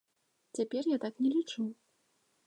Цяпер я так не лічу.